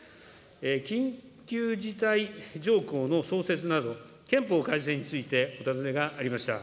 緊急事態条項の創設など、憲法改正についてお尋ねがありました。